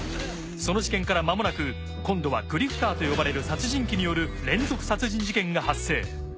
その事件からまもなく今度はグリフターと呼ばれる殺人鬼による連続殺人事件が発生。